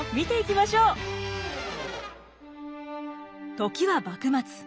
時は幕末。